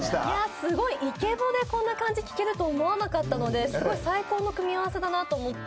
すごいイケボでこんな感じで聞けると思わなかったのですごい最高の組み合わせだなと思って。